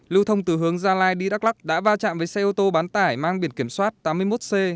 lưu thông từ hướng gia lai đi đắk lắc đã va chạm với xe ô tô bán tải mang biển kiểm soát tám mươi một c chín nghìn sáu trăm ba mươi ba